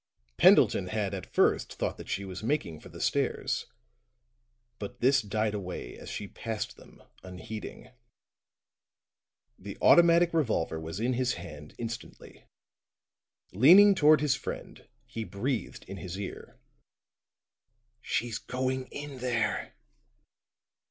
Pendleton had at first thought that she was making for the stairs; but this died away as she passed them, unheeding. The automatic revolver was in his hand instantly; leaning toward his friend, he breathed in his ear. "She's going in there."